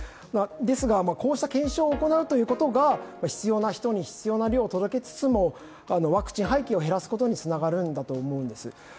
ですが、こうした検証を行うということが必要な人に必要な量を届けつつもワクチン廃棄を減らすことにつながるんだと思うんです。